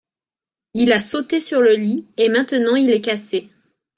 Il a sauté sur le lit et maintenant il est cassé.